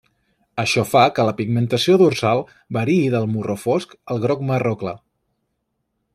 Això fa que la pigmentació dorsal variï del marró fosc al groc-marró clar.